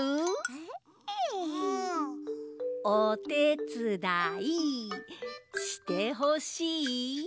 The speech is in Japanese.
おてつだいしてほしい？